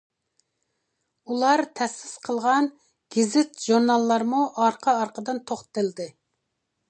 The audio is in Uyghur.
ئۇلار تەسىس قىلغان گېزىت-ژۇرناللارمۇ ئارقا-ئارقىدىن توختىتىلدى.